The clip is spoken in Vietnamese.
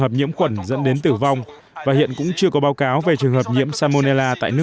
hợp nhiễm khuẩn dẫn đến tử vong và hiện cũng chưa có báo cáo về trường hợp nhiễm salmonella tại nước